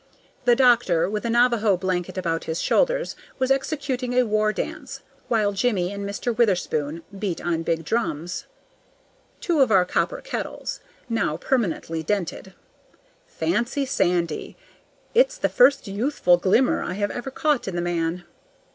The doctor, with a Navajo blanket about his shoulders, was executing a war dance, while Jimmie and Mr. Witherspoon beat on war drums two of our copper kettles, now permanently dented. Fancy Sandy! It's the first youthful glimmer I have ever caught in the man.